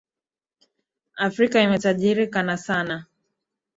Afrika imetajirika na sanaa.